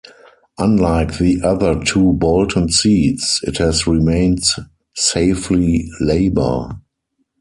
Unlike the other two Bolton seats, it has remained safely Labour.